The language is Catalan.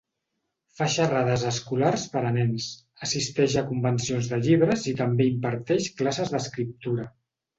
Fa xerrades escolars per a nens, assisteix a convencions de llibres i també imparteix classes d'escriptura.